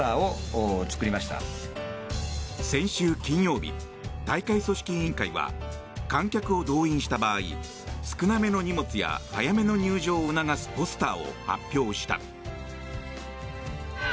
先週金曜日、大会組織委員会は観客を動員した場合少なめの荷物や早めの入場を促すポスターを発表した。